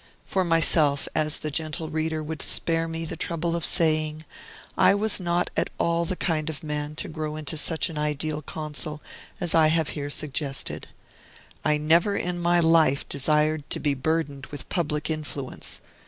For myself, as the gentle reader would spare me the trouble of saying, I was not at all the kind of man to grow into such an ideal Consul as I have here suggested. I never in my life desired to be burdened with public influence.